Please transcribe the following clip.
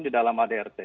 di dalam adrt